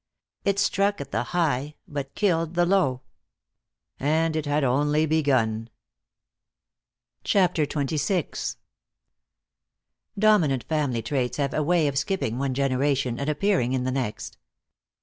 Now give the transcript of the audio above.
It struck at the high but killed the low. And it had only begun. CHAPTER XXVI Dominant family traits have a way of skipping one generation and appearing in the next.